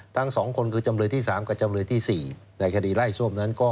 ทั้งสองคนคือจำเลยที่สามกับจำเลยที่สี่ในคดีไล่ทรวมนั้นก็